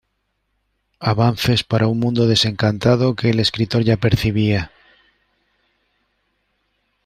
Avances para un mundo desencantado que el escritor ya percibía.